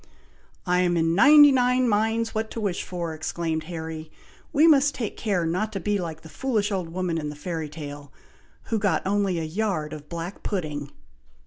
"I am in ninety nine minds what to wish for," exclaimed Harry; "we must take care not to be like the foolish old woman in the fairy tale, who got only a yard of black pudding."